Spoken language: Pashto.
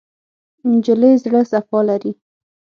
نجلۍ زړه صفا لري.